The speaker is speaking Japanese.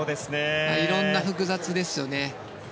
いろんな、複雑ですよね。